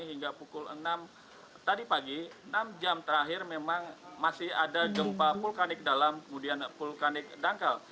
hingga pukul enam tadi pagi enam jam terakhir memang masih ada gempa vulkanik dalam kemudian vulkanik dangkal